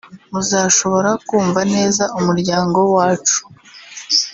muzashobora kumva neza umuryango wacu